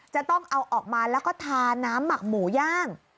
จะต้องเอาออกมาแล้วก็ทาน้ำหมักหมูย่าง